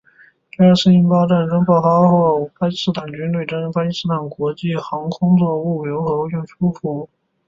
第二次印巴战争爆发后巴基斯坦军队征用巴基斯坦国际航空做货流和运输服务。